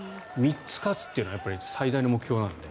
３つ勝つっていうのは最大の目標なので。